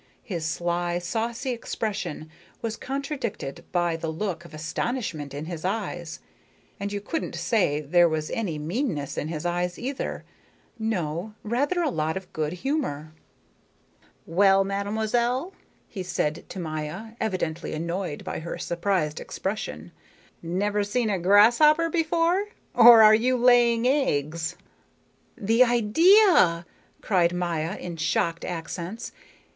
His sly, saucy expression was contradicted by the look of astonishment in his eyes, and you couldn't say there was any meanness in his eyes either. No, rather a lot of good humor. "Well, mademoiselle," he said to Maya, evidently annoyed by her surprised expression, "never seen a grasshopper before? Or are you laying eggs?" "The idea!" cried Maya in shocked accents.